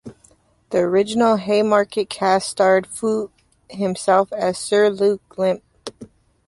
The original Haymarket cast starred Foote himself as Sir Luke Limp.